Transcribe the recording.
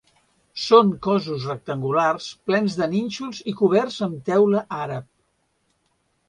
Són cossos rectangulars plens de nínxols i coberts amb teula àrab.